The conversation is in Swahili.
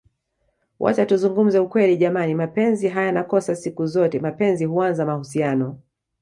Wacha tuzungumze ukweli jamani mapenzi hayana kosa siku zote mapenzi huanza mahusiano